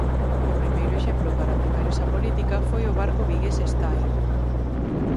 O primeiro exemplo para aplicar esa política foi o barco vigués Estai.